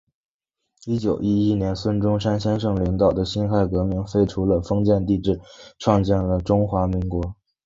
一九一一年孙中山先生领导的辛亥革命，废除了封建帝制，创立了中华民国。